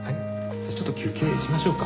じゃあちょっと休憩しましょうか。